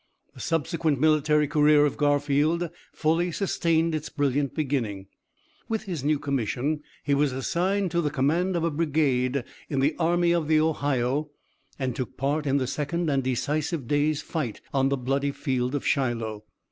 "The subsequent military career of Garfield fully sustained its brilliant beginning. With his new commission he was assigned to the command of a brigade in the Army of the Ohio, and took part in the second and decisive day's fight on the bloody field of Shiloh.